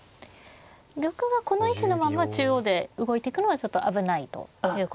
玉はこの位置のまま中央で動いていくのはちょっと危ないということですか。